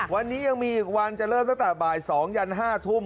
วันนี้ยังมีอีกวันจะเริ่มตั้งแต่บ่าย๒ยัน๕ทุ่ม